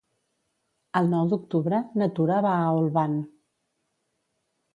El nou d'octubre na Tura va a Olvan.